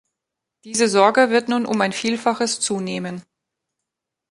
Diese Sorge wird nun um ein Vielfaches zunehmen.